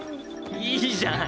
いいじゃん。